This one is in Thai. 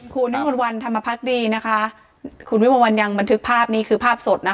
คุณวิมวลวันธรรมพักดีนะคะคุณวิมวลวันยังบันทึกภาพนี้คือภาพสดนะคะ